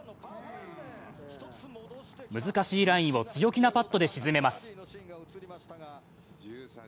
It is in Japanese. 難しいラインを強気なパットで沈めます。